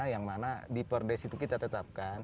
yang mana di perdes itu kita tetapkan